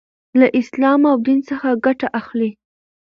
لـه اسـلام او ديـن څـخه ګـټه اخـلي .